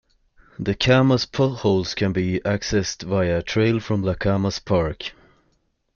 The Camas Potholes can be accessed via a trail from Lacamas Park.